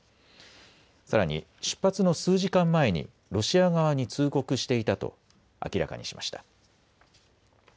さらに出発の数時間前にロシア側に通告していたと明らかにしました。